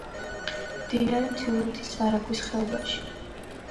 მდინარე მთიულეთის არაგვის ხეობაში.